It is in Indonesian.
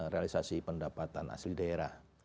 realisasi pendapatan asli daerah